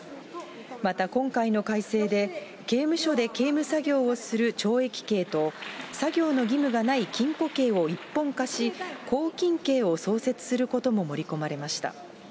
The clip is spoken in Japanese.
また、今回の改正で、刑務所で刑務作業をする懲役刑と、作業の義務がない禁錮刑を一本化し、拘禁刑を創設することも盛り込まれました。